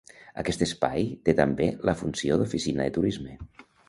Aquest espai té també la funció d'oficina de turisme.